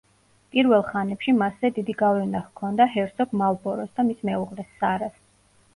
პირველ ხანებში მასზე დიდი გავლენა ჰქონდა ჰერცოგ მალბოროს და მის მეუღლეს, სარას.